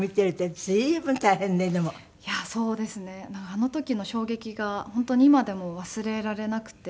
あの時の衝撃が本当に今でも忘れられなくて。